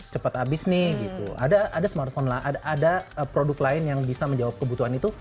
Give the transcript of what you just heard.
cepat habis nih gitu ada ada smartphone lah ada produk lain yang bisa menjawab kebutuhan itu